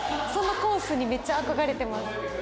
そのコースにめっちゃ憧れてます。